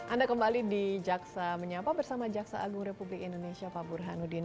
anda kembali di jaksa menyapa bersama jaksa agung republik indonesia pak burhanuddin